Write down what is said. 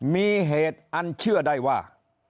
มีเหตุอันเชื่อได้ว่า